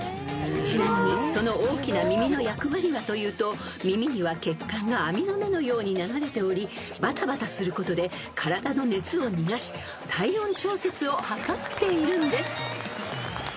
［ちなみにその大きな耳の役割はというと耳には血管が網の目のように流れておりバタバタすることで体の熱を逃がし体温調節をはかっているんです］